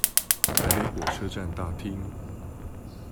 台北火車站大廳